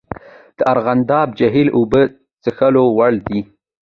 د ارغنداب جهیل اوبه څښلو وړ دي؟